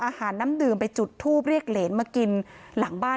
นี่ค่ะคือที่นี้ตัวใยทวดที่ทำให้สามีเธอเสียชีวิตรึเปล่าแล้วก็ไปพบศพในคลองหลังบ้าน